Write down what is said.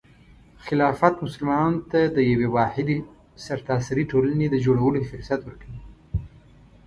خلافت مسلمانانو ته د یوې واحدې سرتاسري ټولنې د جوړولو فرصت ورکوي.